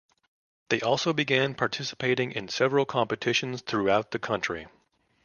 They also began participating in several competitions throughout the country.